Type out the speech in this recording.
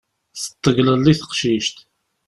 Teṭṭeglelli teqcict.